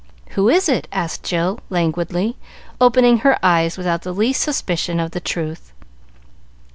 "Who is it?" asked Jill, languidly, opening her eyes without the least suspicion of the truth.